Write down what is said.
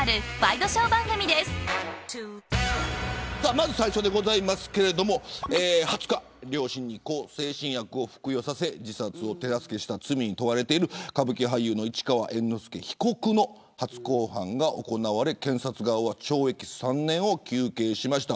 まず最初ですけど、２０日両親に向精神薬を服用させ自殺を手助けした罪に問われている歌舞伎俳優の市川猿之助被告の初公判が行われ検察側は懲役３年を求刑しました。